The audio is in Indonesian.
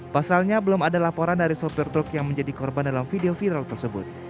pasalnya belum ada laporan dari sopir truk yang menjadi korban dalam video viral tersebut